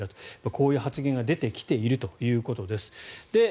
こういう発言が出てきているということです。